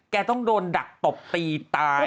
ต้องโดนดักตบตีตาย